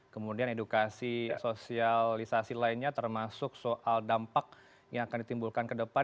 kemudian edukasi sosialisasi lainnya termasuk soal dampak yang akan ditimbulkan ke depan